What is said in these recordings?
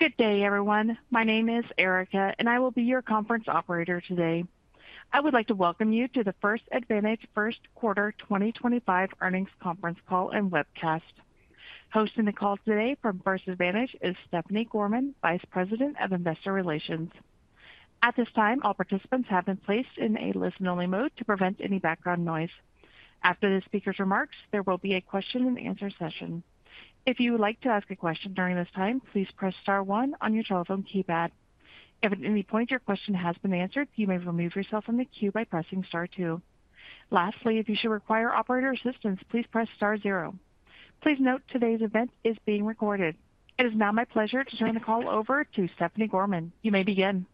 Good day, everyone. My name is Erica, and I will be your conference operator today. I would like to welcome you to the First Advantage First Quarter 2025 Earnings Conference Call and Webcast. Hosting the call today from First Advantage is Stephanie Gorman, Vice President of Investor Relations. At this time, all participants have been placed in a listen-only mode to prevent any background noise. After the speaker's remarks, there will be a question-and-answer session. If you would like to ask a question during this time, please press Star one on your telephone keypad. If at any point your question has been answered, you may remove yourself from the queue by pressing Star two. Lastly, if you should require operator assistance, please press Star zero. Please note today's event is being recorded. It is now my pleasure to turn the call over to Stephanie Gorman. You may begin.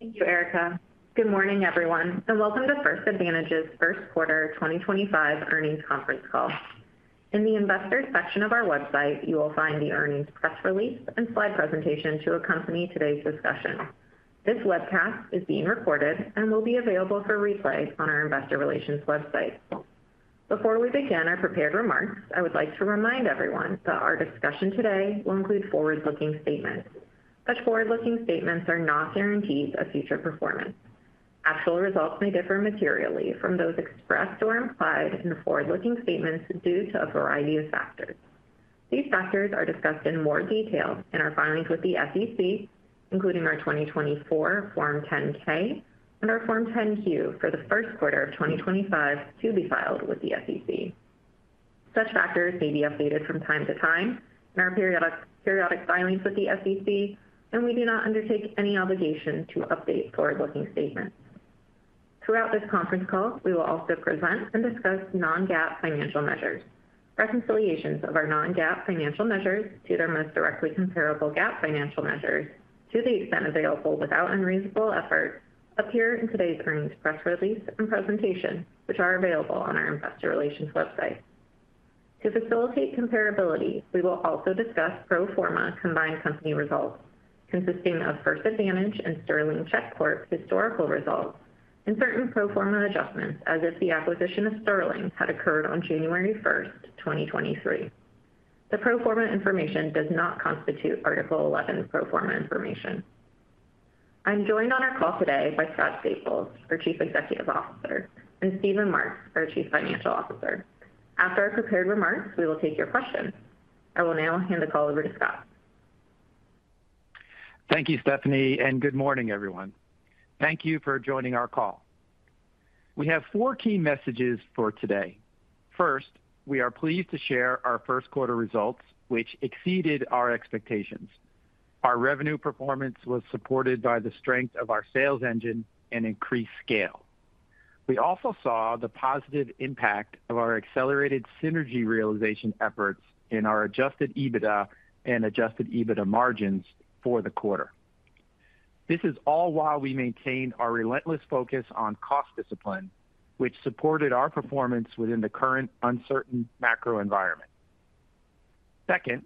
Thank you, Erica. Good morning, everyone, and welcome to First Advantage's First Quarter 2025 Earnings Conference Call. In the Investor section of our website, you will find the earnings press release and slide presentation to accompany today's discussion. This webcast is being recorded and will be available for replay on our Investor Relations website. Before we begin our prepared remarks, I would like to remind everyone that our discussion today will include forward-looking statements. Such forward-looking statements are not guarantees of future performance. Actual results may differ materially from those expressed or implied in the forward-looking statements due to a variety of factors. These factors are discussed in more detail in our filings with the SEC, including our 2024 Form 10-K and our Form 10-Q for the first quarter of 2025 to be filed with the SEC. Such factors may be updated from time to time in our periodic filings with the SEC, and we do not undertake any obligation to update forward-looking statements. Throughout this Conference Call, we will also present and discuss non-GAAP financial measures. Reconciliations of our non-GAAP financial measures to their most directly comparable GAAP financial measures, to the extent available without unreasonable effort, appear in today's earnings press release and presentation, which are available on our Investor Relations website. To facilitate comparability, we will also discuss pro forma combined company results, consisting of First Advantage and Sterling Check Corp. historical results, and certain pro forma adjustments as if the acquisition of Sterling had occurred on January 1, 2023. The pro forma information does not constitute Article 11 pro forma information. I'm joined on our call today by Scott Staples, our Chief Executive Officer, and Steven Marks, our Chief Financial Officer. After our prepared remarks, we will take your questions. I will now hand the call over to Scott. Thank you, Stephanie, and good morning, everyone. Thank you for joining our call. We have four key messages for today. First, we are pleased to share our first quarter results, which exceeded our expectations. Our revenue performance was supported by the strength of our sales engine and increased scale. We also saw the positive impact of our accelerated synergy realization efforts in our adjusted EBITDA and adjusted EBITDA margins for the quarter. This is all while we maintain our relentless focus on cost discipline, which supported our performance within the current uncertain macro environment. Second,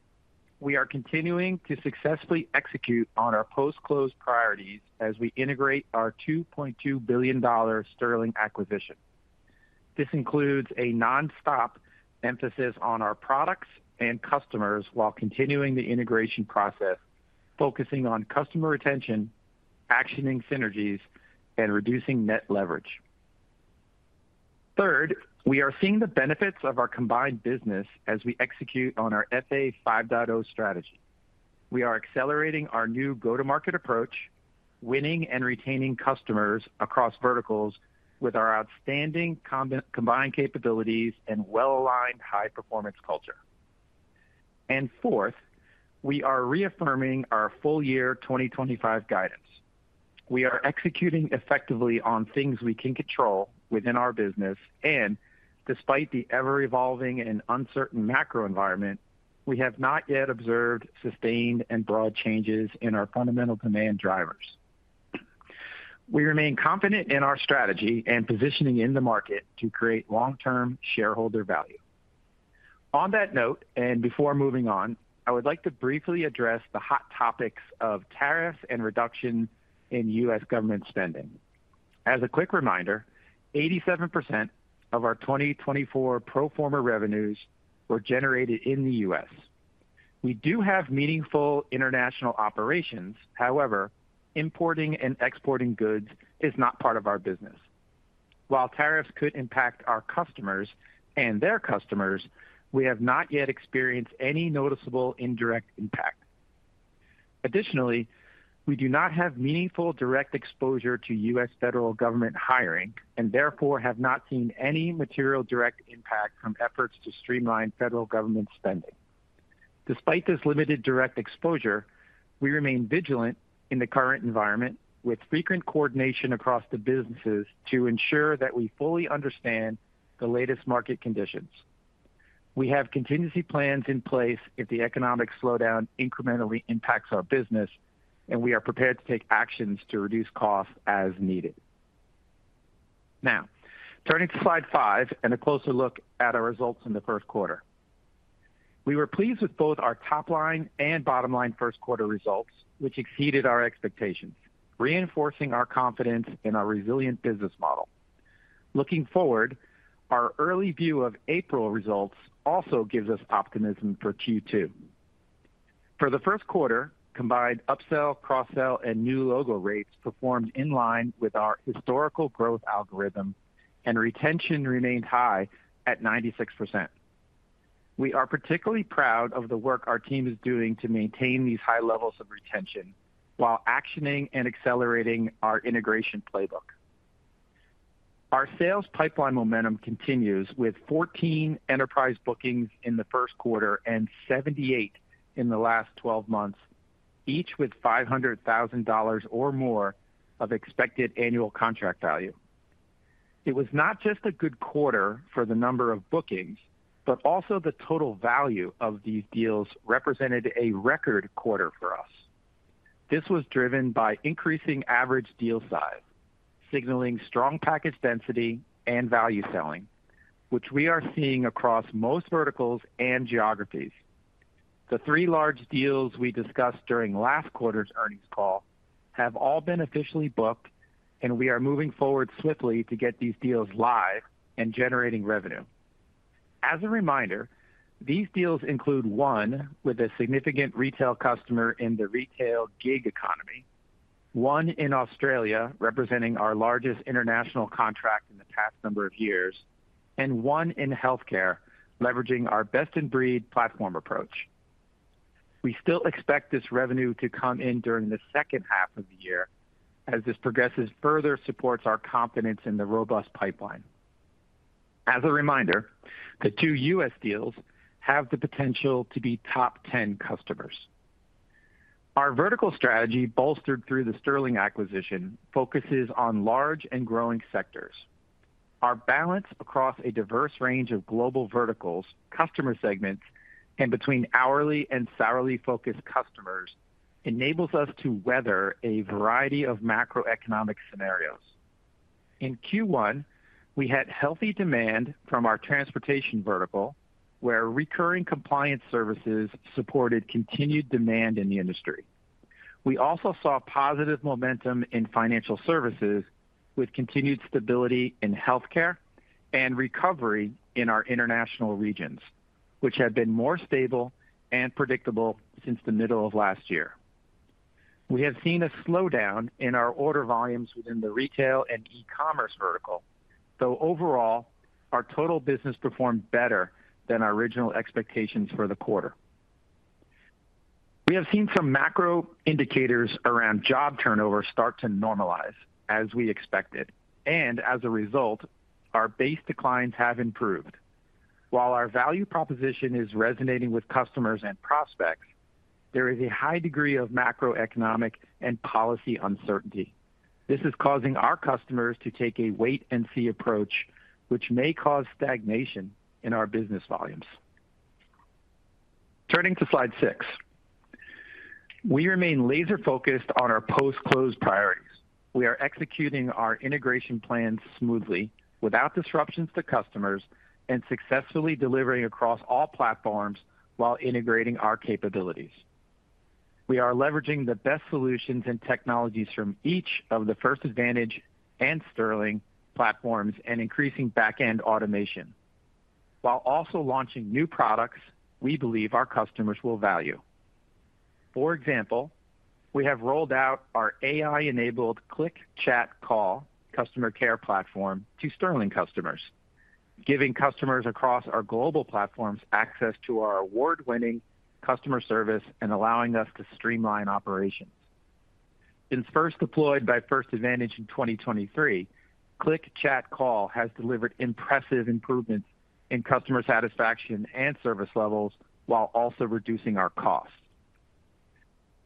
we are continuing to successfully execute on our post-close priorities as we integrate our $2.2 billion Sterling acquisition. This includes a nonstop emphasis on our products and customers while continuing the integration process, focusing on customer retention, actioning synergies, and reducing net leverage. Third, we are seeing the benefits of our combined business as we execute on our FA 5.0 strategy. We are accelerating our new go-to-market approach, winning and retaining customers across verticals with our outstanding combined capabilities and well-aligned high-performance culture. Fourth, we are reaffirming our full-year 2025 guidance. We are executing effectively on things we can control within our business, and despite the ever-evolving and uncertain macro environment, we have not yet observed sustained and broad changes in our fundamental demand drivers. We remain confident in our strategy and positioning in the market to create long-term shareholder value. On that note, and before moving on, I would like to briefly address the hot topics of tariffs and reduction in U.S. government spending. As a quick reminder, 87% of our 2024 pro forma revenues were generated in the U.S. We do have meaningful international operations. However, importing and exporting goods is not part of our business. While tariffs could impact our customers and their customers, we have not yet experienced any noticeable indirect impact. Additionally, we do not have meaningful direct exposure to U.S. federal government hiring and therefore have not seen any material direct impact from efforts to streamline federal government spending. Despite this limited direct exposure, we remain vigilant in the current environment with frequent coordination across the businesses to ensure that we fully understand the latest market conditions. We have contingency plans in place if the economic slowdown incrementally impacts our business, and we are prepared to take actions to reduce costs as needed. Now, turning to slide five and a closer look at our results in the first quarter. We were pleased with both our top-line and bottom-line first quarter results, which exceeded our expectations, reinforcing our confidence in our resilient business model. Looking forward, our early view of April results also gives us optimism for Q2. For the first quarter, combined upsell, cross-sell, and new logo rates performed in line with our historical growth algorithm, and retention remained high at 96%. We are particularly proud of the work our team is doing to maintain these high levels of retention while actioning and accelerating our integration playbook. Our sales pipeline momentum continues with 14 enterprise bookings in the first quarter and 78 in the last 12 months, each with $500,000 or more of expected annual contract value. It was not just a good quarter for the number of bookings, but also the total value of these deals represented a record quarter for us. This was driven by increasing average deal size, signaling strong package density and value selling, which we are seeing across most verticals and geographies. The three large deals we discussed during last quarter's earnings call have all been officially booked, and we are moving forward swiftly to get these deals live and generating revenue. As a reminder, these deals include one with a significant retail customer in the retail gig economy, one in Australia representing our largest international contract in the past number of years, and one in healthcare, leveraging our best-in-breed platform approach. We still expect this revenue to come in during the second half of the year as this progressive further supports our confidence in the robust pipeline. As a reminder, the two U.S. deals have the potential to be top-10 customers. Our vertical strategy, bolstered through the Sterling acquisition, focuses on large and growing sectors. Our balance across a diverse range of global verticals, customer segments, and between hourly and salary focused customers enables us to weather a variety of macroeconomic scenarios. In Q1, we had healthy demand from our transportation vertical, where recurring compliance services supported continued demand in the industry. We also saw positive momentum in financial services with continued stability in healthcare and recovery in our international regions, which have been more stable and predictable since the middle of last year. We have seen a slowdown in our order volumes within the retail and e-commerce vertical, though overall, our total business performed better than our original expectations for the quarter. We have seen some macro indicators around job turnover start to normalize as we expected, and as a result, our base declines have improved. While our value proposition is resonating with customers and prospects, there is a high degree of macroeconomic and policy uncertainty. This is causing our customers to take a wait-and-see approach, which may cause stagnation in our business volumes. Turning to slide six, we remain laser-focused on our post-close priorities. We are executing our integration plans smoothly without disruptions to customers and successfully delivering across all platforms while integrating our capabilities. We are leveraging the best solutions and technologies from each of the First Advantage and Sterling platforms and increasing back-end automation, while also launching new products we believe our customers will value. For example, we have rolled out our AI-enabled Click. Chat. Call. customer care platform to Sterling customers, giving customers across our global platforms access to our award-winning customer service and allowing us to streamline operations. Since first deployed by First Advantage in 2023, Click. Chat. Call. has delivered impressive improvements in customer satisfaction and service levels while also reducing our costs.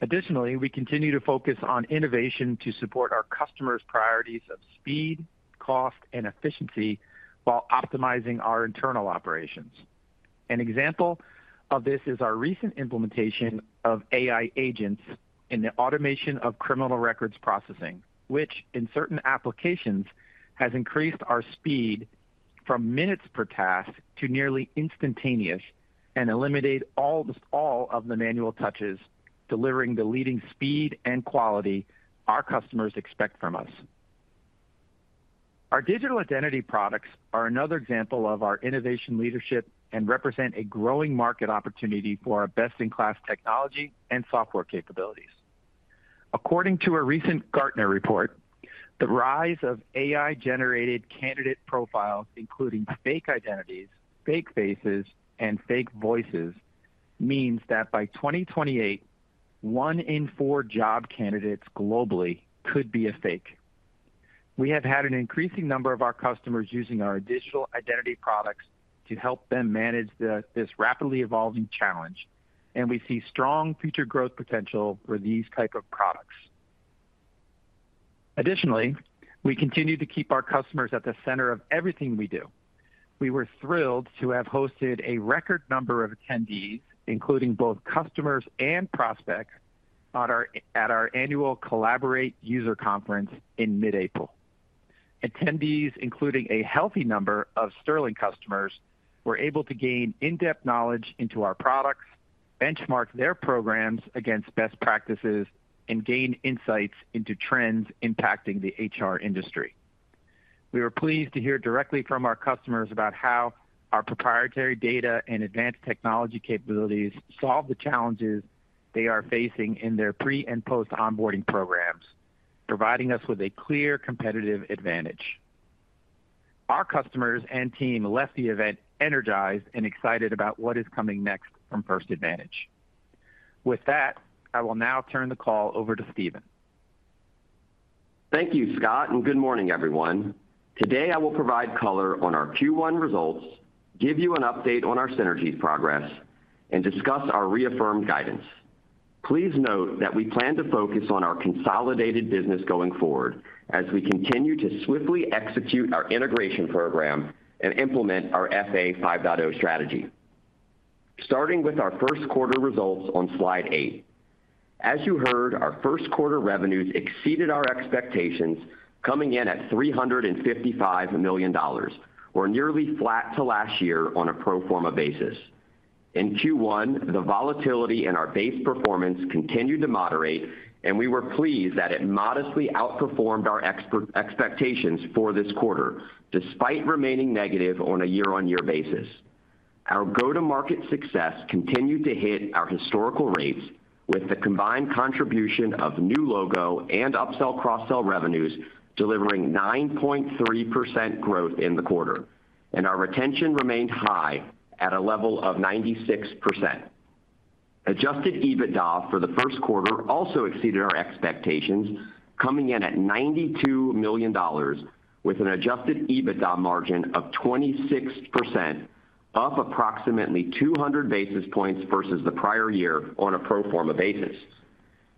Additionally, we continue to focus on innovation to support our customers' priorities of speed, cost, and efficiency while optimizing our internal operations. An example of this is our recent implementation of AI agents in the automation of criminal records processing, which in certain applications has increased our speed from minutes per task to nearly instantaneous and eliminated all of the manual touches, delivering the leading speed and quality our customers expect from us. Our digital identity products are another example of our innovation leadership and represent a growing market opportunity for our best-in-class technology and software capabilities. According to a recent Gartner report, the rise of AI-generated candidate profiles, including fake identities, fake faces, and fake voices, means that by 2028, one in four job candidates globally could be a fake. We have had an increasing number of our customers using our digital identity products to help them manage this rapidly evolving challenge, and we see strong future growth potential for these types of products. Additionally, we continue to keep our customers at the center of everything we do. We were thrilled to have hosted a record number of attendees, including both customers and prospects, at our annual Collaborate User Conference in mid-April. Attendees, including a healthy number of Sterling customers, were able to gain in-depth knowledge into our products, benchmark their programs against best practices, and gain insights into trends impacting the HR industry. We were pleased to hear directly from our customers about how our proprietary data and advanced technology capabilities solve the challenges they are facing in their pre- and post-onboarding programs, providing us with a clear competitive advantage. Our customers and team left the event energized and excited about what is coming next from First Advantage. With that, I will now turn the call over to Steven. Thank you, Scott, and good morning, everyone. Today, I will provide color on our Q1 results, give you an update on our synergy progress, and discuss our reaffirmed guidance. Please note that we plan to focus on our consolidated business going forward as we continue to swiftly execute our integration program and implement our FA 5.0 strategy. Starting with our first quarter results on slide eight. As you heard, our first quarter revenues exceeded our expectations, coming in at $355 million, or nearly flat to last year on a pro forma basis. In Q1, the volatility in our base performance continued to moderate, and we were pleased that it modestly outperformed our expectations for this quarter, despite remaining negative on a year-on-year basis. Our go-to-market success continued to hit our historical rates, with the combined contribution of new logo and upsell/cross-sell revenues delivering 9.3% growth in the quarter, and our retention remained high at a level of 96%. Adjusted EBITDA for the first quarter also exceeded our expectations, coming in at $92 million, with an adjusted EBITDA margin of 26%, up approximately 200 basis points versus the prior year on a pro forma basis.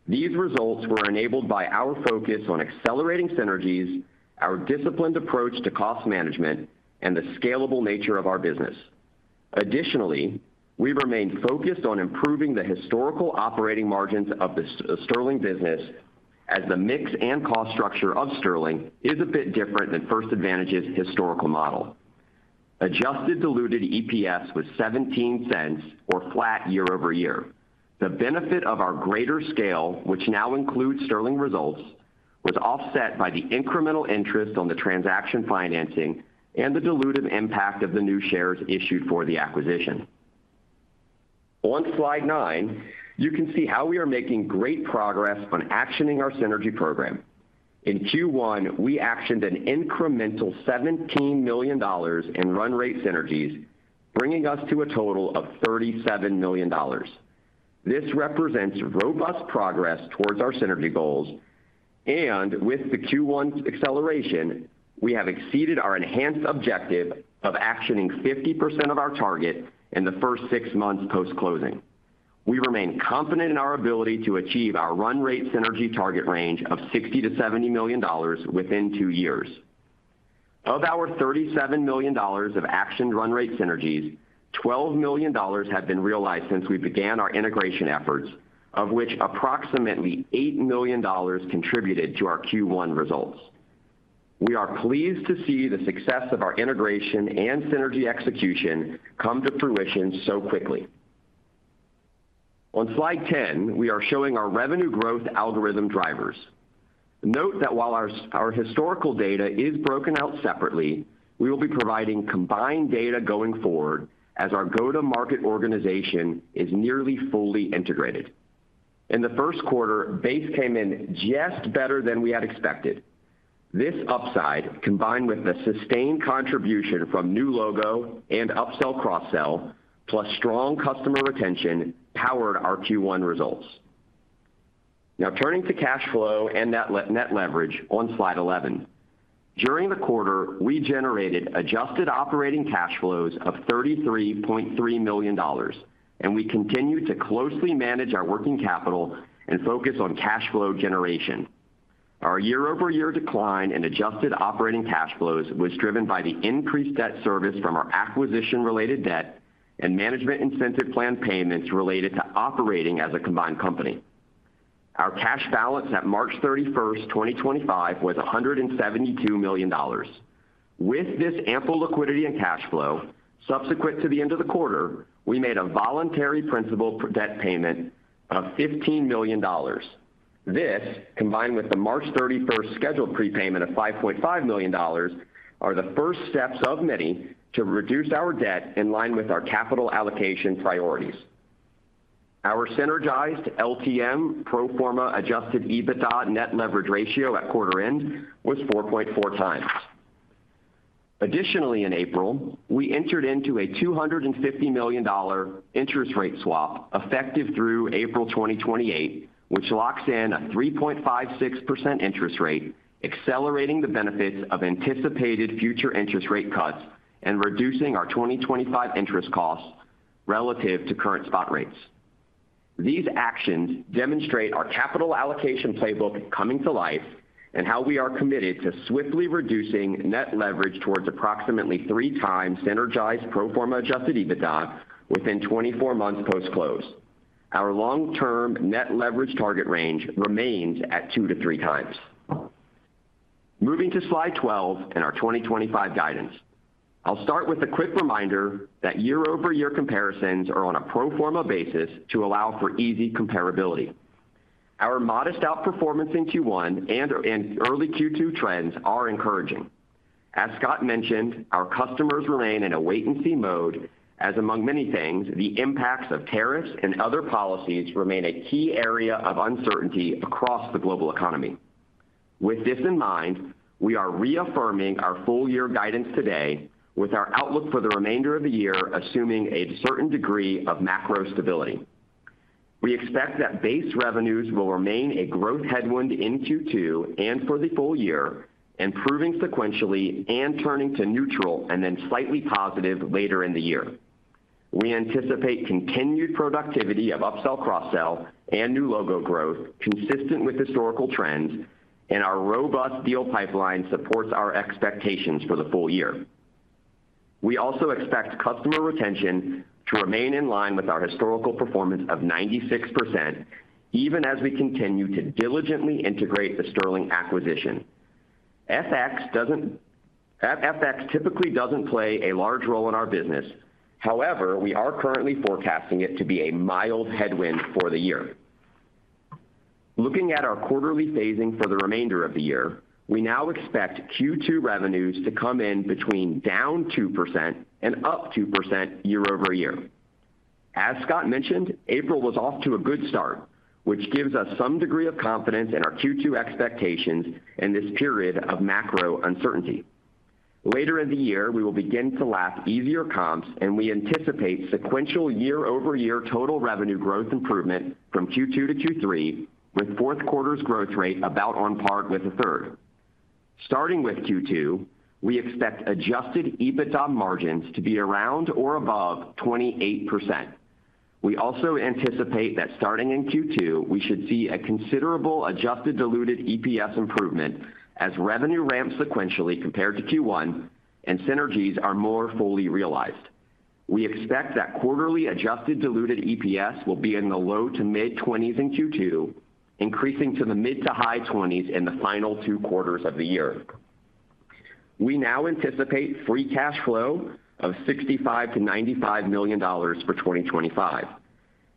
These results were enabled by our focus on accelerating synergies, our disciplined approach to cost management, and the scalable nature of our business. Additionally, we remained focused on improving the historical operating margins of the Sterling business as the mix and cost structure of Sterling is a bit different than First Advantage's historical model. Adjusted diluted EPS was $0.17 cents, or flat year-over-year. The benefit of our greater scale, which now includes Sterling results, was offset by the incremental interest on the transaction financing and the dilutive impact of the new shares issued for the acquisition. On slide nine, you can see how we are making great progress on actioning our synergy program. In Q1, we actioned an incremental $17 million in run rate synergies, bringing us to a total of $37 million. This represents robust progress towards our synergy goals, and with the Q1 acceleration, we have exceeded our enhanced objective of actioning 50% of our target in the first six months post-closing. We remain confident in our ability to achieve our run rate synergy target range of $60-$70 million within two years. Of our $37 million of actioned run rate synergies, $12 million have been realized since we began our integration efforts, of which approximately $8 million contributed to our Q1 results. We are pleased to see the success of our integration and synergy execution come to fruition so quickly. On slide ten, we are showing our revenue growth algorithm drivers. Note that while our historical data is broken out separately, we will be providing combined data going forward as our go-to-market organization is nearly fully integrated. In the first quarter, base came in just better than we had expected. This upside, combined with the sustained contribution from new logo and upsell/cross-sell, plus strong customer retention, powered our Q1 results. Now, turning to cash flow and net leverage on slide 11. During the quarter, we generated adjusted operating cash flows of $33.3 million, and we continue to closely manage our working capital and focus on cash flow generation. Our year-over-year decline in adjusted operating cash flows was driven by the increased debt service from our acquisition-related debt and management incentive plan payments related to operating as a combined company. Our cash balance at March 31, 2025, was $172 million. With this ample liquidity and cash flow, subsequent to the end of the quarter, we made a voluntary principal debt payment of $15 million. This, combined with the March 31 scheduled prepayment of $5.5 million, are the first steps of many to reduce our debt in line with our capital allocation priorities. Our synergized LTM pro forma adjusted EBITDA net leverage ratio at quarter end was 4.4 times. Additionally, in April, we entered into a $250 million interest rate swap effective through April 2028, which locks in a 3.56% interest rate, accelerating the benefits of anticipated future interest rate cuts and reducing our 2025 interest costs relative to current spot rates. These actions demonstrate our capital allocation playbook coming to life and how we are committed to swiftly reducing net leverage towards approximately three times synergized pro forma adjusted EBITDA within 24 months post-close. Our long-term net leverage target range remains at two to three times. Moving to slide 12 in our 2025 guidance, I'll start with a quick reminder that year-over-year comparisons are on a pro forma basis to allow for easy comparability. Our modest outperformance in Q1 and early Q2 trends are encouraging. As Scott mentioned, our customers remain in a wait-and-see mode, as among many things, the impacts of tariffs and other policies remain a key area of uncertainty across the global economy. With this in mind, we are reaffirming our full-year guidance today with our outlook for the remainder of the year assuming a certain degree of macro stability. We expect that base revenues will remain a growth headwind in Q2 and for the full year, improving sequentially and turning to neutral and then slightly positive later in the year. We anticipate continued productivity of upsell/cross-sell and new logo growth consistent with historical trends, and our robust deal pipeline supports our expectations for the full year. We also expect customer retention to remain in line with our historical performance of 96%, even as we continue to diligently integrate the Sterling acquisition. FX typically does not play a large role in our business; however, we are currently forecasting it to be a mild headwind for the year. Looking at our quarterly phasing for the remainder of the year, we now expect Q2 revenues to come in between down 2% and up 2% year-over-year. As Scott mentioned, April was off to a good start, which gives us some degree of confidence in our Q2 expectations and this period of macro uncertainty. Later in the year, we will begin to last easier comps, and we anticipate sequential year-over-year total revenue growth improvement from Q2 to Q3, with fourth quarter's growth rate about on par with the third. Starting with Q2, we expect adjusted EBITDA margins to be around or above 28%. We also anticipate that starting in Q2, we should see a considerable adjusted diluted EPS improvement as revenue ramps sequentially compared to Q1 and synergies are more fully realized. We expect that quarterly adjusted diluted EPS will be in the low to mid-20s in Q2, increasing to the mid to high 20s in the final two quarters of the year. We now anticipate free cash flow of $65 million-$95 million for 2025.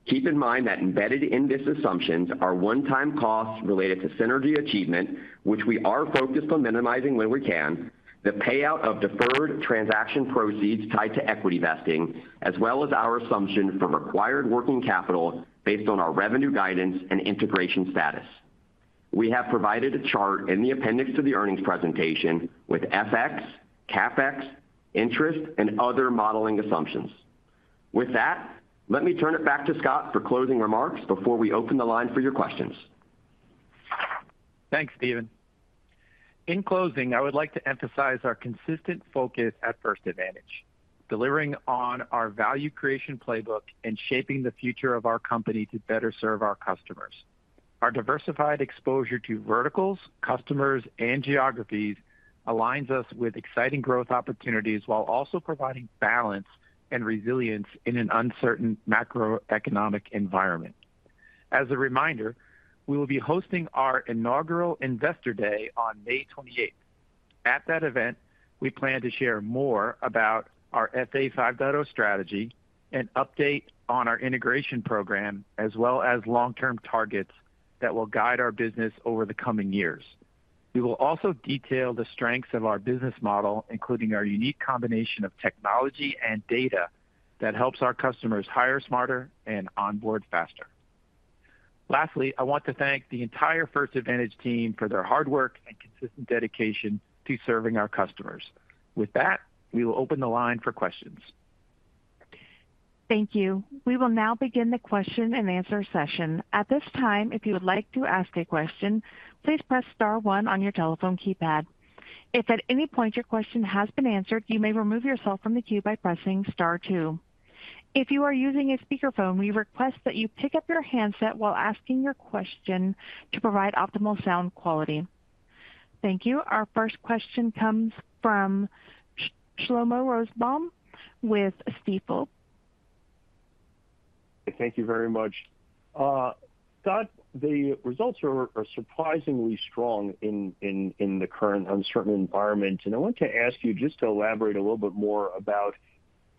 Keep in mind that embedded in this assumptions are one-time costs related to synergy achievement, which we are focused on minimizing when we can, the payout of deferred transaction proceeds tied to equity vesting, as well as our assumption for required working capital based on our revenue guidance and integration status. We have provided a chart in the appendix to the earnings presentation with FX, CapEx, interest, and other modeling assumptions. With that, let me turn it back to Scott for closing remarks before we open the line for your questions. Thanks, Steven. In closing, I would like to emphasize our consistent focus at First Advantage, delivering on our value creation playbook and shaping the future of our company to better serve our customers. Our diversified exposure to verticals, customers, and geographies aligns us with exciting growth opportunities while also providing balance and resilience in an uncertain macroeconomic environment. As a reminder, we will be hosting our inaugural Investor Day on May 28th. At that event, we plan to share more about our FA 5.0 strategy and update on our integration program, as well as long-term targets that will guide our business over the coming years. We will also detail the strengths of our business model, including our unique combination of technology and data that helps our customers hire smarter and onboard faster. Lastly, I want to thank the entire First Advantage team for their hard work and consistent dedication to serving our customers. With that, we will open the line for questions. Thank you. We will now begin the question and answer session. At this time, if you would like to ask a question, please press Star one on your telephone keypad. If at any point your question has been answered, you may remove yourself from the queue by pressing Star two. If you are using a speakerphone, we request that you pick up your handset while asking your question to provide optimal sound quality. Thank you. Our first question comes from Shlomo Rosenbaum with Stifel. Thank you very much. Scott, the results are surprisingly strong in the current uncertain environment, and I want to ask you just to elaborate a little bit more about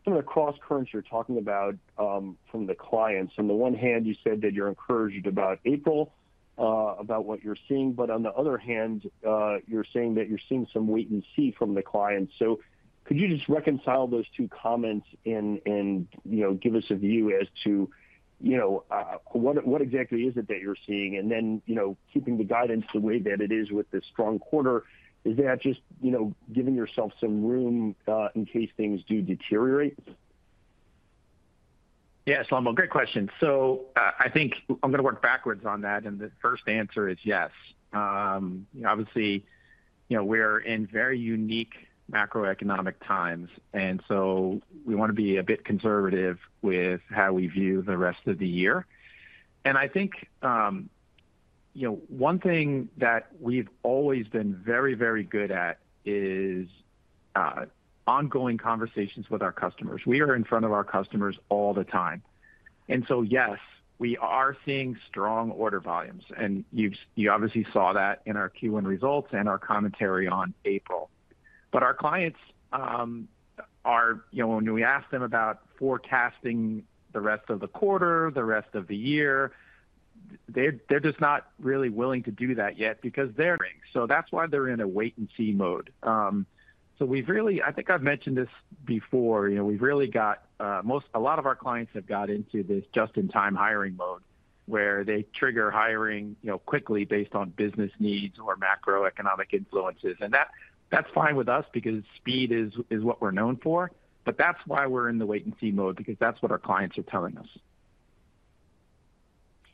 some of the cross currents you're talking about from the clients. On the one hand, you said that you're encouraged about April, about what you're seeing, but on the other hand, you're saying that you're seeing some wait and see from the clients. Could you just reconcile those two comments and give us a view as to what exactly is it that you're seeing? Keeping the guidance the way that it is with this strong quarter, is that just giving yourself some room in case things do deteriorate? Yes, Shlomo, great question. I think I'm going to work backwards on that, and the first answer is yes. Obviously, we're in very unique macroeconomic times, and we want to be a bit conservative with how we view the rest of the year. I think one thing that we've always been very, very good at is ongoing conversations with our customers. We are in front of our customers all the time. Yes, we are seeing strong order volumes, and you obviously saw that in our Q1 results and our commentary on April. Our clients, when we ask them about forecasting the rest of the quarter, the rest of the year, they're just not really willing to do that yet because their... That's why they're in a wait-and-see mode. I think I've mentioned this before, we've really got a lot of our clients have got into this just-in-time hiring mode where they trigger hiring quickly based on business needs or macroeconomic influences. That's fine with us because speed is what we're known for, but that's why we're in the wait-and-see mode because that's what our clients are telling us.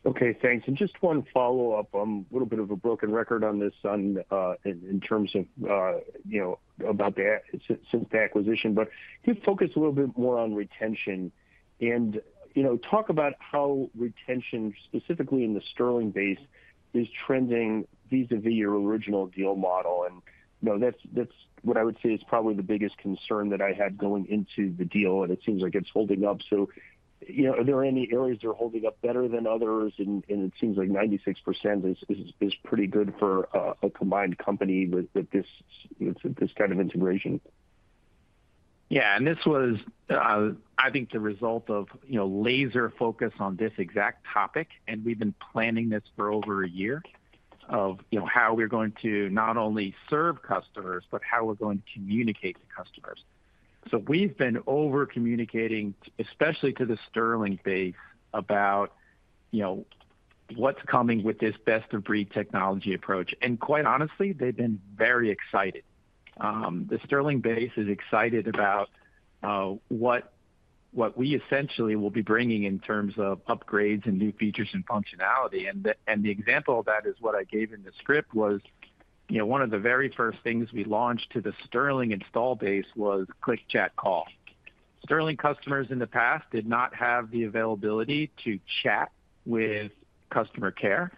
Okay, thanks. Just one follow-up, a little bit of a broken record on this in terms of about the since the acquisition, but could you focus a little bit more on retention and talk about how retention, specifically in the Sterling base, is trending vis-à-vis your original deal model? That is what I would say is probably the biggest concern that I had going into the deal, and it seems like it is holding up. Are there any areas that are holding up better than others? It seems like 96% is pretty good for a combined company with this kind of integration. Yeah, and this was, I think, the result of laser focus on this exact topic, and we've been planning this for over a year of how we're going to not only serve customers, but how we're going to communicate to customers. We've been over-communicating, especially to the Sterling base, about what's coming with this best-of-breed technology approach. Quite honestly, they've been very excited. The Sterling base is excited about what we essentially will be bringing in terms of upgrades and new features and functionality. The example of that is what I gave in the script was one of the very first things we launched to the Sterling install base was Click. Chat. Call.. Sterling customers in the past did not have the availability to chat with customer care.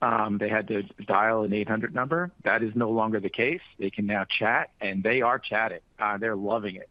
They had to dial an 800 number. That is no longer the case. They can now chat, and they are chatting. They're loving it.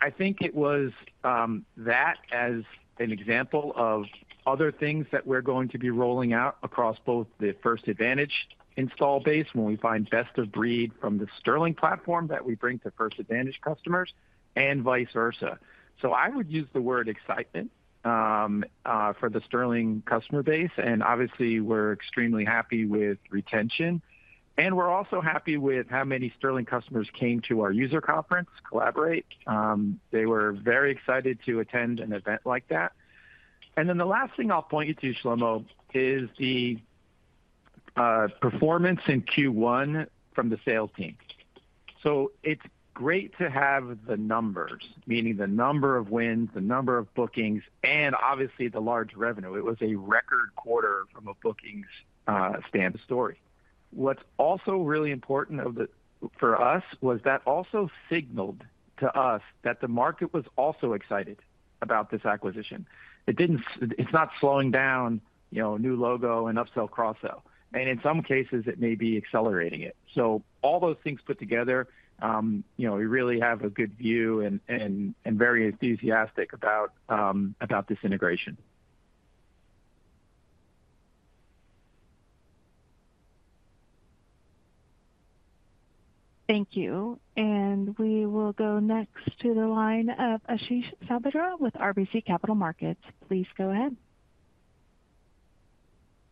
I think it was that as an example of other things that we're going to be rolling out across both the First Advantage install base when we find best-of-breed from the Sterling platform that we bring to First Advantage customers and vice versa. I would use the word excitement for the Sterling customer base, and obviously, we're extremely happy with retention. We're also happy with how many Sterling customers came to our user Conference Collaborate. They were very excited to attend an event like that. The last thing I'll point you to, Shlomo, is the performance in Q1 from the sales team. It's great to have the numbers, meaning the number of wins, the number of bookings, and obviously the large revenue. It was a record quarter from a bookings standpoint. What's also really important for us was that also signaled to us that the market was also excited about this acquisition. It's not slowing down new logo and upsell/cross-sell. In some cases, it may be accelerating it. All those things put together, we really have a good view and are very enthusiastic about this integration. Thank you. We will go next to the line of Ashish Sabadra with RBC Capital Markets. Please go ahead.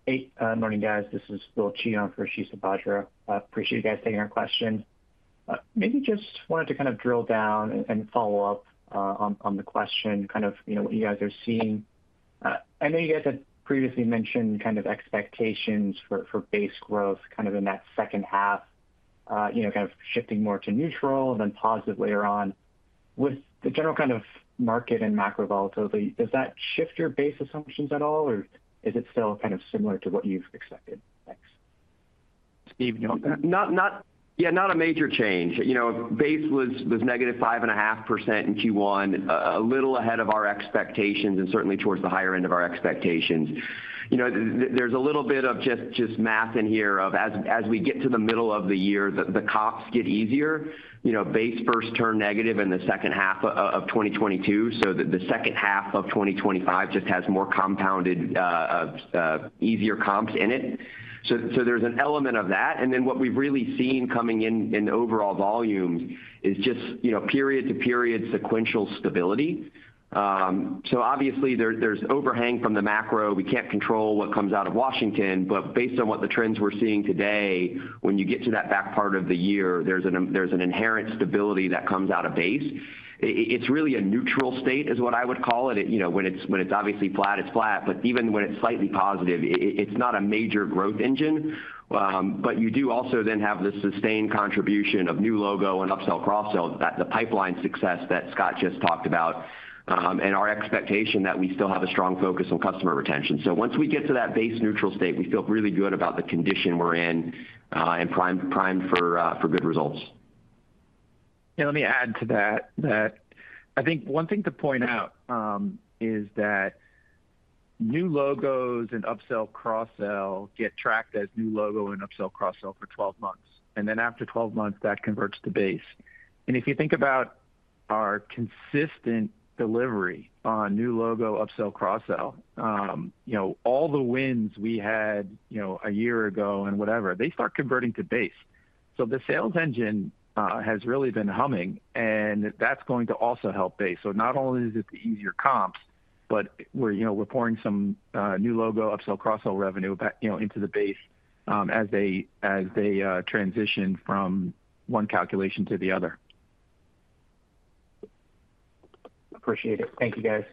Hey, good morning, guys. This is Bill Chia for Ashish Sabadra. Appreciate you guys taking our question. Maybe just wanted to kind of drill down and follow up on the question, kind of what you guys are seeing. I know you guys had previously mentioned kind of expectations for base growth kind of in that second half, kind of shifting more to neutral and then positive later on. With the general kind of market and macro volatility, does that shift your base assumptions at all, or is it still kind of similar to what you've expected? Thanks Steven. Yeah, not a major change. Base was negative 5.5% in Q1, a little ahead of our expectations and certainly towards the higher end of our expectations. There's a little bit of just math in here of as we get to the middle of the year, the comps get easier. Base first turned negative in the second half of 2022, so the second half of 2025 just has more compounded, easier comps in it. There's an element of that. What we've really seen coming in overall volumes is just period-to-period sequential stability. Obviously, there's overhang from the macro. We can't control what comes out of Washington, but based on what the trends we're seeing today, when you get to that back part of the year, there's an inherent stability that comes out of base. It's really a neutral state is what I would call it. When it's obviously flat, it's flat, but even when it's slightly positive, it's not a major growth engine. You do also then have the sustained contribution of new logo and upsell/cross-sell, the pipeline success that Scott just talked about, and our expectation that we still have a strong focus on customer retention. Once we get to that base neutral state, we feel really good about the condition we're in and primed for good results. Yeah, let me add to that. I think one thing to point out is that new logos and upsell/cross-sell get tracked as new logo and upsell/cross-sell for 12 months. After 12 months, that converts to base. If you think about our consistent delivery on new logo, upsell/cross-sell, all the wins we had a year ago and whatever, they start converting to base. The sales engine has really been humming, and that's going to also help base. Not only is it the easier comps, but we're pouring some new logo, upsell/cross-sell revenue into the base as they transition from one calculation to the other. Appreciate it. Thank you, guys.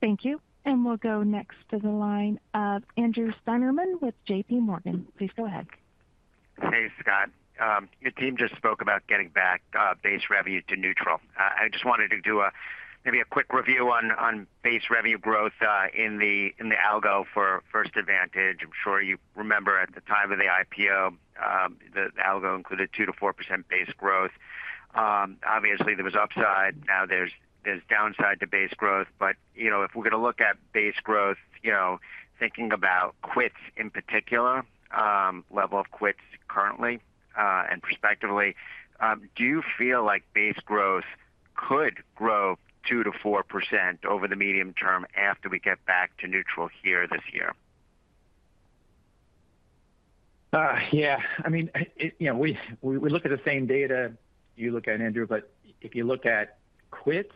Thank you. We'll go next to the line of Andrew Steinerman with JP Morgan. Please go ahead. Hey, Scott. Your team just spoke about getting back base revenue to neutral. I just wanted to do maybe a quick review on base revenue growth in the algo for First Advantage. I'm sure you remember at the time of the IPO, the algo included 2-4% base growth. Obviously, there was upside. Now there's downside to base growth. If we're going to look at base growth, thinking about quits in particular, level of quits currently and prospectively, do you feel like base growth could grow 2-4% over the medium term after we get back to neutral here this year? Yeah. I mean, we look at the same data you look at, Andrew, but if you look at quits,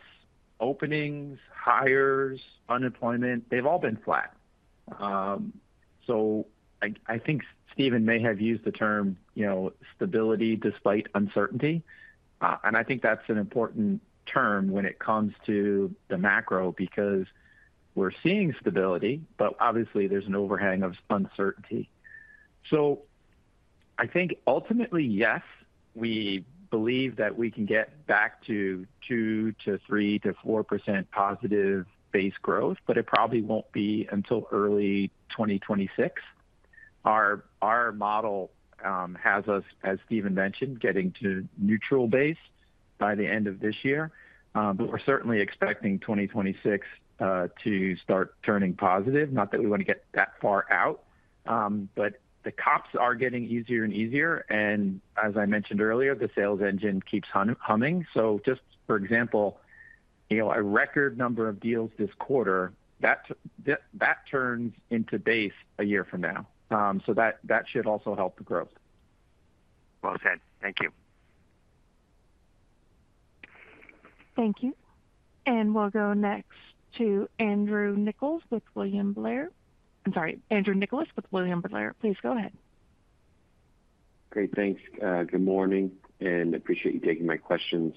openings, hires, unemployment, they've all been flat. I think Steven may have used the term stability despite uncertainty. I think that's an important term when it comes to the macro because we're seeing stability, but obviously, there's an overhang of uncertainty. I think ultimately, yes, we believe that we can get back to 2-3-4% positive base growth, but it probably won't be until early 2026. Our model has us, as Steven mentioned, getting to neutral base by the end of this year. We're certainly expecting 2026 to start turning positive. Not that we want to get that far out, but the comps are getting easier and easier. As I mentioned earlier, the sales engine keeps humming. Just for example, a record number of deals this quarter, that turns into base a year from now. That should also help the growth. Thank you. Thank you. We'll go next to Andrew Nicholas with William Blair. I'm sorry, Andrew Nicholas with William Blair. Please go ahead. Great. Thanks. Good morning, and appreciate you taking my questions.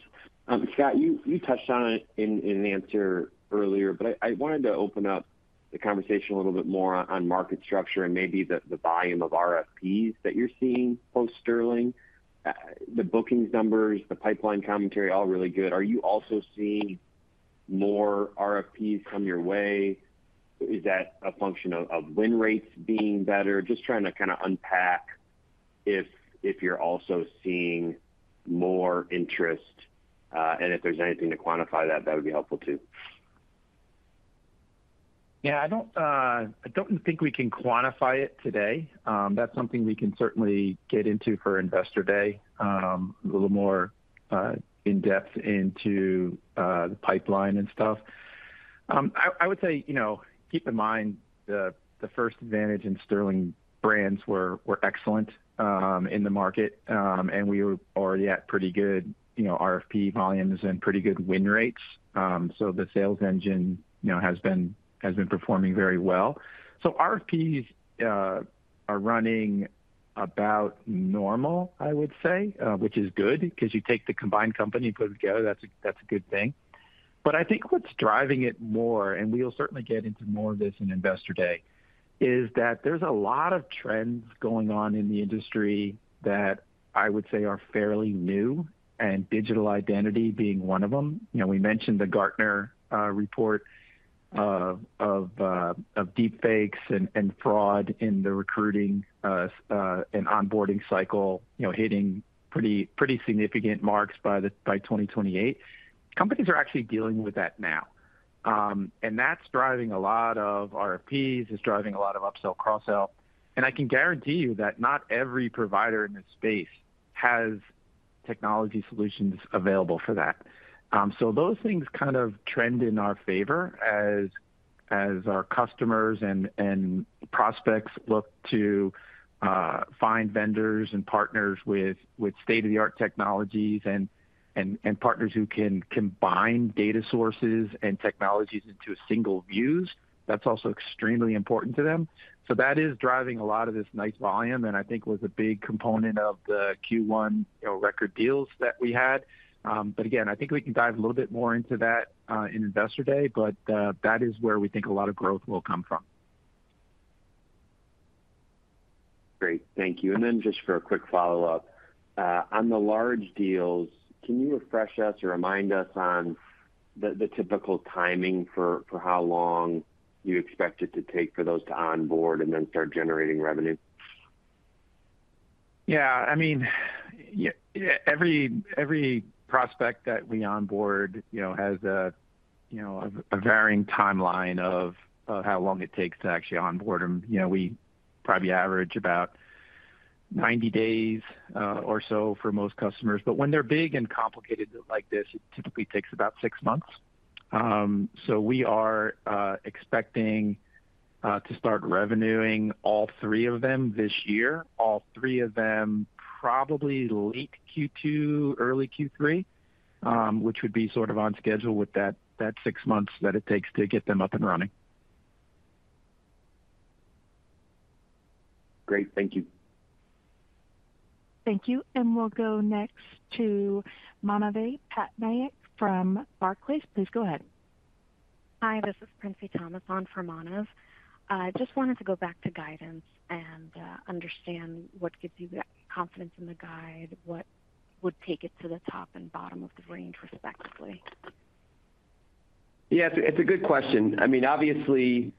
Scott, you touched on it in the answer earlier, but I wanted to open up the conversation a little bit more on market structure and maybe the volume of RFPs that you're seeing post-Sterling. The bookings numbers, the pipeline commentary, all really good. Are you also seeing more RFPs come your way? Is that a function of win rates being better? Just trying to kind of unpack if you're also seeing more interest and if there's anything to quantify that, that would be helpful too. Yeah, I don't think we can quantify it today. That's something we can certainly get into for Investor Day, a little more in-depth into the pipeline and stuff. I would say keep in mind the First Advantage and Sterling brands were excellent in the market, and we were already at pretty good RFP volumes and pretty good win rates. The sales engine has been performing very well. RFPs are running about normal, I would say, which is good because you take the combined company and put it together. That's a good thing. I think what's driving it more, and we'll certainly get into more of this in Investor Day, is that there's a lot of trends going on in the industry that I would say are fairly new, and digital identity being one of them. We mentioned the Gartner report of deep fakes and fraud in the recruiting and onboarding cycle hitting pretty significant marks by 2028. Companies are actually dealing with that now. That is driving a lot of RFPs, is driving a lot of upsell/cross-sell. I can guarantee you that not every provider in this space has technology solutions available for that. Those things kind of trend in our favor as our customers and prospects look to find vendors and partners with state-of-the-art technologies and partners who can combine data sources and technologies into a single view. That is also extremely important to them. That is driving a lot of this nice volume, and I think was a big component of the Q1 record deals that we had. Again, I think we can dive a little bit more into that in Investor Day, but that is where we think a lot of growth will come from. Great. Thank you. Just for a quick follow-up, on the large deals, can you refresh us or remind us on the typical timing for how long you expect it to take for those to onboard and then start generating revenue? Yeah. I mean, every prospect that we onboard has a varying timeline of how long it takes to actually onboard them. We probably average about 90 days or so for most customers. When they're big and complicated like this, it typically takes about six months. We are expecting to start revenuing all three of them this year, all three of them probably late Q2, early Q3, which would be sort of on schedule with that six months that it takes to get them up and running. Great. Thank you. Thank you. We'll go next to Manaveh Patnaik from Barclays. Please go ahead. Hi, this is Princy Thomas on for Manav. I just wanted to go back to guidance and understand what gives you confidence in the guide, what would take it to the top and bottom of the range respectively. Yeah, it's a good question. I mean, obviously,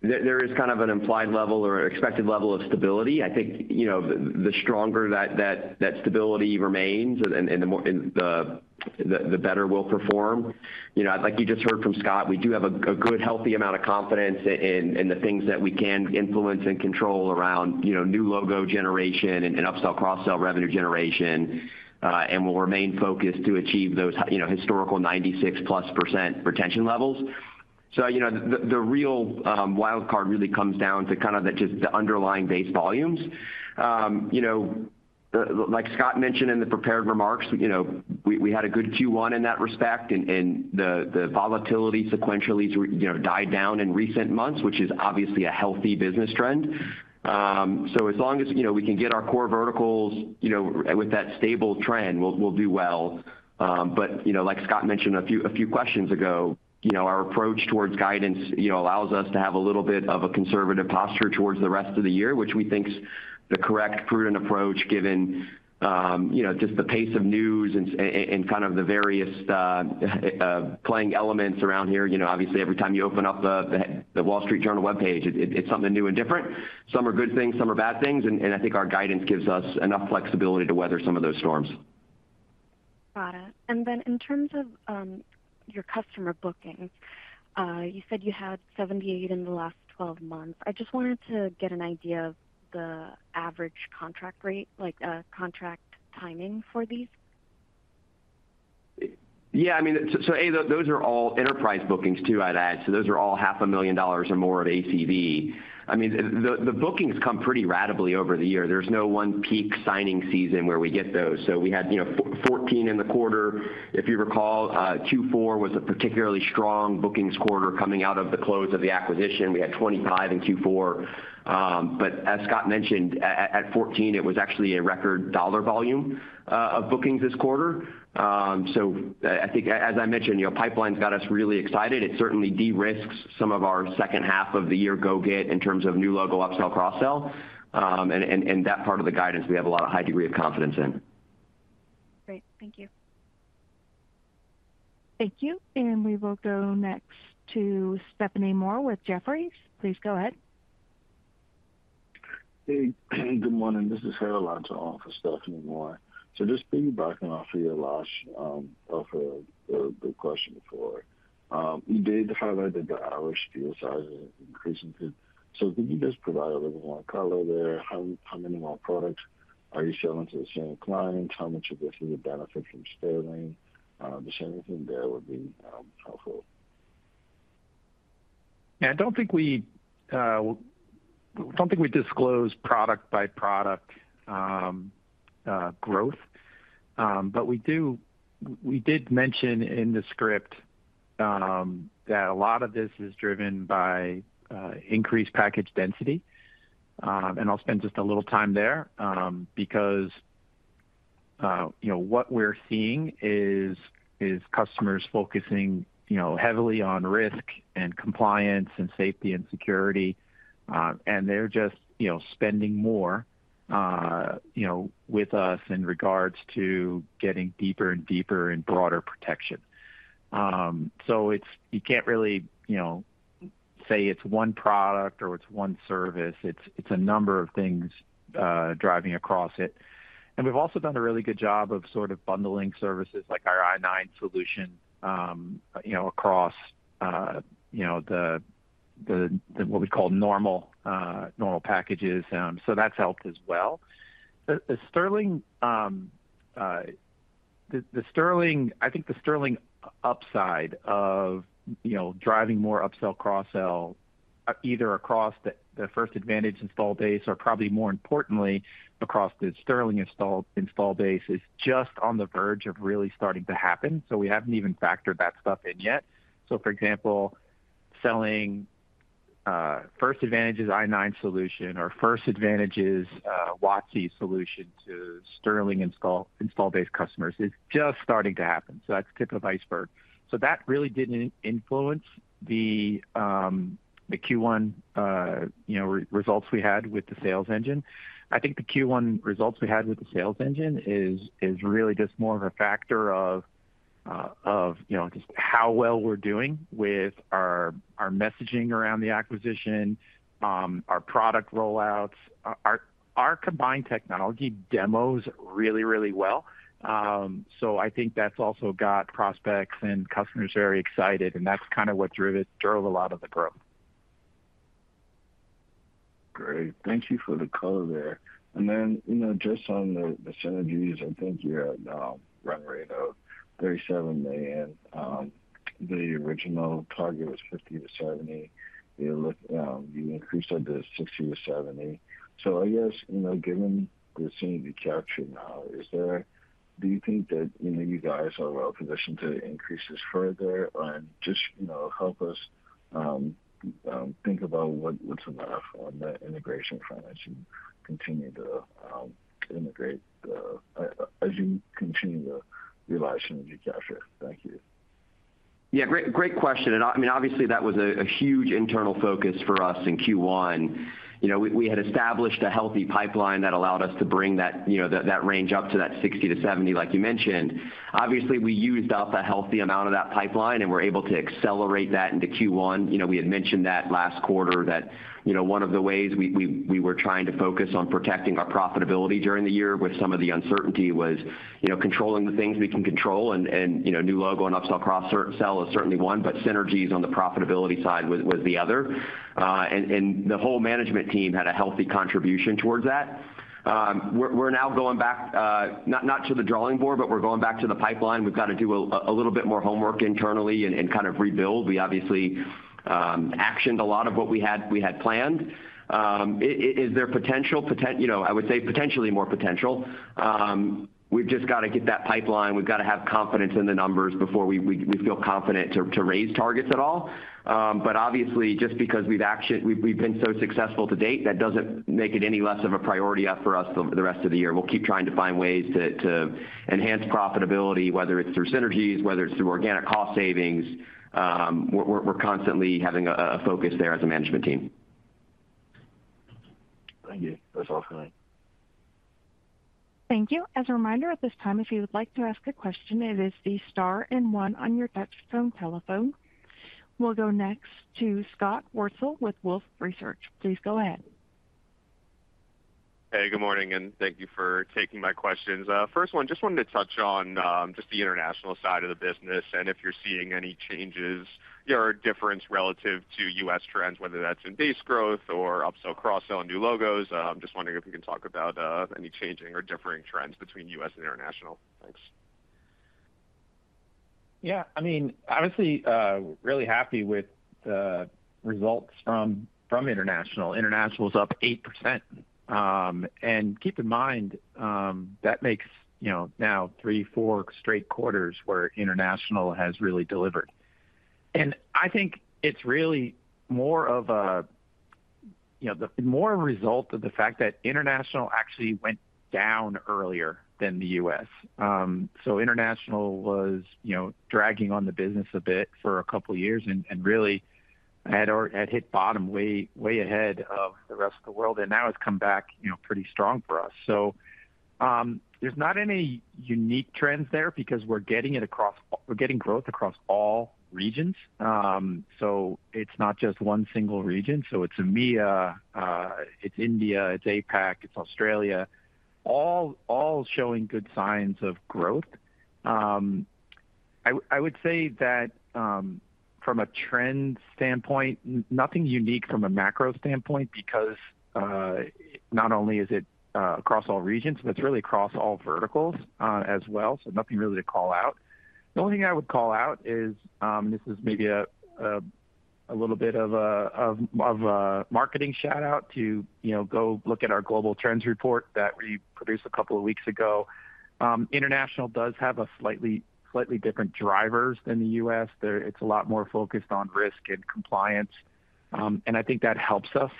there is kind of an implied level or expected level of stability. I think the stronger that stability remains and the better we'll perform. Like you just heard from Scott, we do have a good, healthy amount of confidence in the things that we can influence and control around new logo generation and upsell/cross-sell revenue generation, and we'll remain focused to achieve those historical 96+% retention levels. The real wild card really comes down to kind of just the underlying base volumes. Like Scott mentioned in the prepared remarks, we had a good Q1 in that respect, and the volatility sequentially died down in recent months, which is obviously a healthy business trend. As long as we can get our core verticals with that stable trend, we'll do well. Like Scott mentioned a few questions ago, our approach towards guidance allows us to have a little bit of a conservative posture towards the rest of the year, which we think is the correct prudent approach given just the pace of news and kind of the various playing elements around here. Obviously, every time you open up the Wall Street Journal web page, it's something new and different. Some are good things, some are bad things. I think our guidance gives us enough flexibility to weather some of those storms. Got it. In terms of your customer bookings, you said you had 78 in the last 12 months. I just wanted to get an idea of the average contract rate, like contract timing for these. Yeah. I mean, so those are all enterprise bookings too, I'd add. Those are all $500,000 or more of ACV. I mean, the bookings come pretty radically over the year. There's no one peak signing season where we get those. We had 14 in the quarter, if you recall. Q4 was a particularly strong bookings quarter coming out of the close of the acquisition. We had 25 in Q4. As Scott mentioned, at 14, it was actually a record dollar volume of bookings this quarter. I think, as I mentioned, pipeline's got us really excited. It certainly de-risked some of our second half of the year go get in terms of new logo, upsell, cross-sell. That part of the guidance, we have a lot of high degree of confidence in. Great. Thank you. Thank you. We will go next to Stephanie Moore with Jefferies. Please go ahead. Hey, good morning. This is Harold Lodge on behalf of Stephanie Moore. Just piggybacking off of your last offer of the question before, you did highlight that the average deal size is increasing. Could you just provide a little more color there? How many more products are you selling to the same clients? How much of this is a benefit from Sterling? Anything there would be helpful. Yeah. I don't think we disclose product-by-product growth. We did mention in the script that a lot of this is driven by increased package density. I'll spend just a little time there because what we're seeing is customers focusing heavily on risk and compliance and safety and security, and they're just spending more with us in regards to getting deeper and deeper and broader protection. You can't really say it's one product or it's one service. It's a number of things driving across it. We've also done a really good job of sort of bundling services like our i9 solution across what we call normal packages. That's helped as well. The Sterling, I think the Sterling upside of driving more upsell, cross-sell, either across the First Advantage install base or probably more importantly across the Sterling install base is just on the verge of really starting to happen. We haven't even factored that stuff in yet. For example, selling First Advantage's i9 solution or First Advantage's WOTC solution to Sterling install-based customers is just starting to happen. That's tip of iceberg. That really didn't influence the Q1 results we had with the sales engine. I think the Q1 results we had with the sales engine is really just more of a factor of just how well we're doing with our messaging around the acquisition, our product rollouts. Our combined technology demos really, really well. I think that's also got prospects and customers very excited, and that's kind of what drove a lot of the growth. Great. Thank you for the color there. Then just on the synergies, I think you're at now run rate of $37 million. The original target was 50-70, You increased that to 60-70, I guess given what's seen to be captured now, do you think that you guys are well positioned to increase this further and just help us think about what's enough on the integration front as you continue to integrate as you continue to realize synergy capture? Thank you. Yeah. Great question. I mean, obviously, that was a huge internal focus for us in Q1. We had established a healthy pipeline that allowed us to bring that range up to that 60-70, like you mentioned. Obviously, we used up a healthy amount of that pipeline, and we're able to accelerate that into Q1. We had mentioned last quarter that one of the ways we were trying to focus on protecting our profitability during the year with some of the uncertainty was controlling the things we can control. New logo and upsell/cross-sell is certainly one, but synergies on the profitability side was the other. The whole management team had a healthy contribution towards that. We're now going back, not to the drawing board, but we're going back to the pipeline. We've got to do a little bit more homework internally and kind of rebuild. We obviously actioned a lot of what we had planned. Is there potential? I would say potentially more potential. We've just got to get that pipeline. We've got to have confidence in the numbers before we feel confident to raise targets at all. Obviously, just because we've been so successful to date, that doesn't make it any less of a priority for us the rest of the year. We'll keep trying to find ways to enhance profitability, whether it's through synergies, whether it's through organic cost savings. We're constantly having a focus there as a management team. Thank you. That's all for me. Thank you. As a reminder, at this time, if you would like to ask a question, it is the star and one on your touch-tone telephone. We'll go next to Scott Wurtzel with Wolfe Research. Please go ahead. Hey, good morning, and thank you for taking my questions. First one, just wanted to touch on just the international side of the business and if you're seeing any changes or difference relative to U.S. trends, whether that's in base growth or upsell, cross-sell, and new logos. I'm just wondering if we can talk about any changing or differing trends between U.S. and international. Thanks. Yeah. I mean, obviously, really happy with the results from international. International is up 8%. Keep in mind, that makes now three, four straight quarters where international has really delivered. I think it's really more a result of the fact that international actually went down earlier than the U.S. International was dragging on the business a bit for a couple of years and really had hit bottom way ahead of the rest of the world. Now it's come back pretty strong for us. There's not any unique trends there because we're getting growth across all regions. It's not just one single region. It's EMEA, it's India, it's APAC, it's Australia, all showing good signs of growth. I would say that from a trend standpoint, nothing unique from a macro standpoint because not only is it across all regions, but it is really across all verticals as well. Nothing really to call out. The only thing I would call out is, and this is maybe a little bit of a marketing shout-out to go look at our Global Trends report that we produced a couple of weeks ago. International does have slightly different drivers than the U.S. It is a lot more focused on risk and compliance. I think that helps us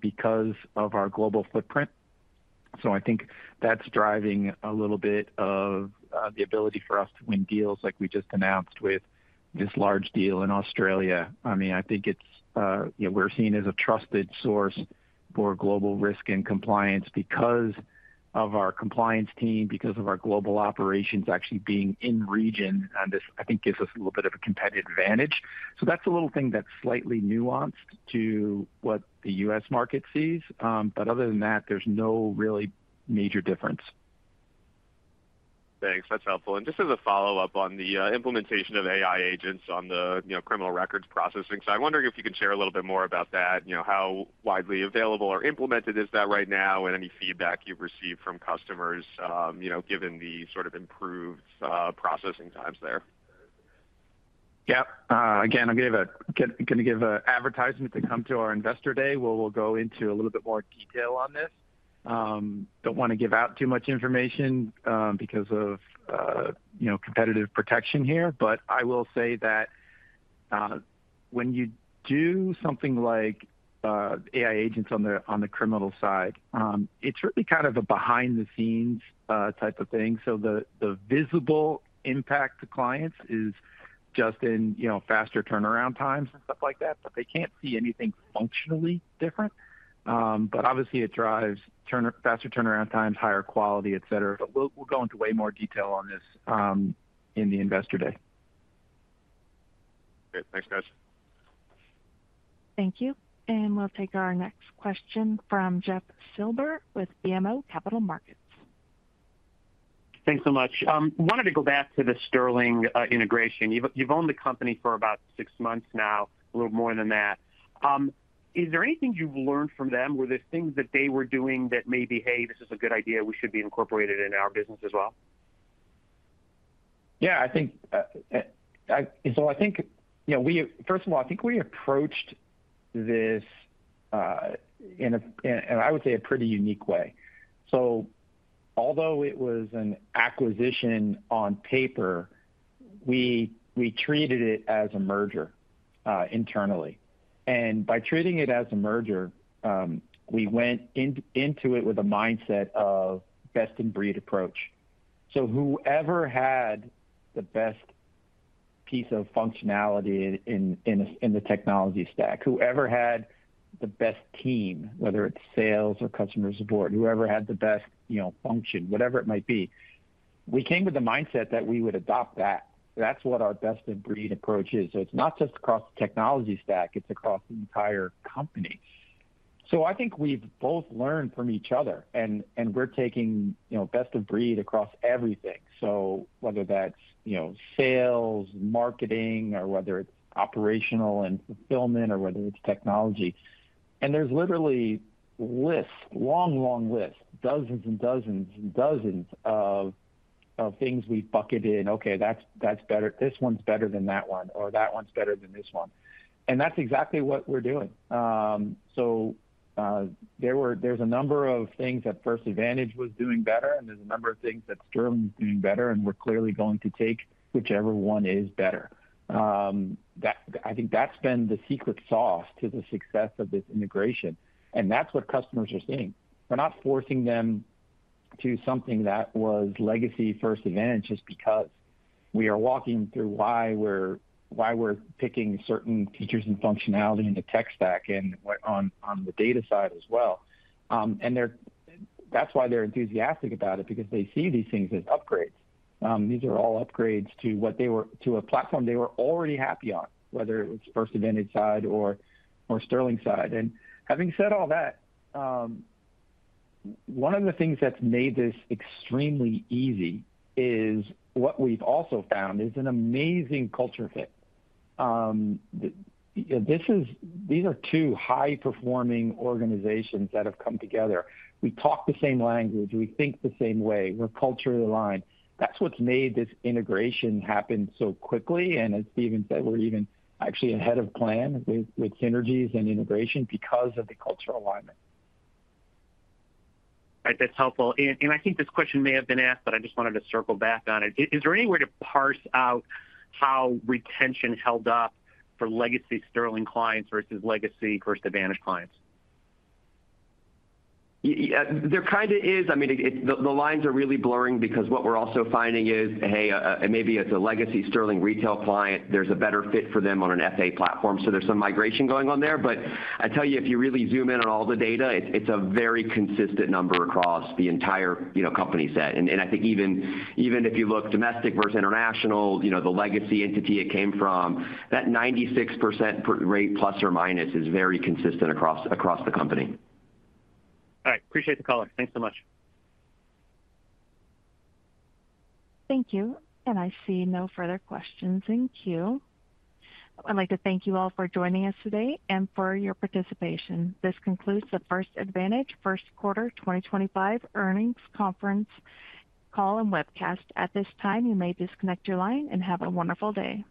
because of our global footprint. I think that is driving a little bit of the ability for us to win deals like we just announced with this large deal in Australia. I mean, I think we're seen as a trusted source for global risk and compliance because of our compliance team, because of our global operations actually being in region. This, I think, gives us a little bit of a competitive advantage. That's a little thing that's slightly nuanced to what the U.S. market sees. Other than that, there's no really major difference. Thanks. That's helpful. Just as a follow-up on the implementation of AI agents on the criminal records processing side, I'm wondering if you can share a little bit more about that. How widely available or implemented is that right now and any feedback you've received from customers given the sort of improved processing times there? Yeah. Again, I'm going to give an advertisement to come to our investor day where we'll go into a little bit more detail on this. I do not want to give out too much information because of competitive protection here. I will say that when you do something like AI agents on the criminal side, it's really kind of a behind-the-scenes type of thing. The visible impact to clients is just in faster turnaround times and stuff like that, but they cannot see anything functionally different. Obviously, it drives faster turnaround times, higher quality, etc. We will go into way more detail on this in the investor day. Great. Thanks, guys. Thank you. We'll take our next question from Jeff Silber with BMO Capital Markets. Thanks so much. Wanted to go back to the Sterling integration. You've owned the company for about six months now, a little more than that. Is there anything you've learned from them? Were there things that they were doing that maybe, "Hey, this is a good idea. We should be incorporated in our business as well? Yeah. I think, first of all, I think we approached this in, I would say, a pretty unique way. Although it was an acquisition on paper, we treated it as a merger internally. By treating it as a merger, we went into it with a mindset of best-in-breed approach. Whoever had the best piece of functionality in the technology stack, whoever had the best team, whether it's sales or customer support, whoever had the best function, whatever it might be, we came with the mindset that we would adopt that. That's what our best-in-breed approach is. It's not just across the technology stack. It's across the entire company. I think we've both learned from each other, and we're taking best-in-breed across everything, whether that's sales, marketing, or whether it's operational and fulfillment, or whether it's technology. There are literally lists, long, long lists, dozens and dozens and dozens of things we have bucketed in. Okay, this one is better than that one, or that one is better than this one. That is exactly what we are doing. There are a number of things that First Advantage was doing better, and there are a number of things that Sterling was doing better, and we are clearly going to take whichever one is better. I think that has been the secret sauce to the success of this integration. That is what customers are seeing. We are not forcing them to something that was legacy First Advantage just because. We are walking through why we are picking certain features and functionality in the tech stack and on the data side as well. That is why they are enthusiastic about it because they see these things as upgrades. These are all upgrades to a platform they were already happy on, whether it was First Advantage side or Sterling side. Having said all that, one of the things that's made this extremely easy is what we've also found is an amazing culture fit. These are two high-performing organizations that have come together. We talk the same language. We think the same way. We're culturally aligned. That's what's made this integration happen so quickly. As Steven said, we're even actually ahead of plan with synergies and integration because of the cultural alignment. That's helpful. I think this question may have been asked, but I just wanted to circle back on it. Is there any way to parse out how retention held up for legacy Sterling clients versus legacy First Advantage clients? There kind of is. I mean, the lines are really blurring because what we're also finding is, hey, maybe it's a legacy Sterling retail client. There's a better fit for them on an FA platform. So there's some migration going on there. But I tell you, if you really zoom in on all the data, it's a very consistent number across the entire company set. I think even if you look domestic versus international, the legacy entity it came from, that 96% rate plus or minus is very consistent across the company. All right. Appreciate the call. Thanks so much. Thank you. I see no further questions in queue. I'd like to thank you all for joining us today and for your participation. This concludes the First Advantage First Quarter 2025 earnings Conference Call and webcast. At this time, you may disconnect your line and have a wonderful day.